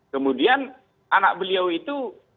kemudian anak beliau itu